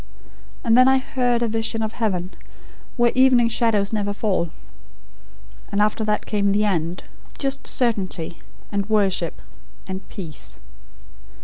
And then, I HEARD a vision of heaven, where evening shadows never fall: And after that came the end; just certainty, and worship, and peace.